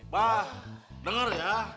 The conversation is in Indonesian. bah dengar ya